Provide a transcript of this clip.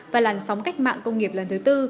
và làn sóng cách mạng công nghiệp lần thứ tư